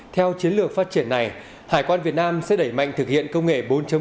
theo chiến lược phát triển này hải quan việt nam sẽ đẩy mạnh thực hiện công nghệ bốn